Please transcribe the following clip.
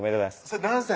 それ何歳？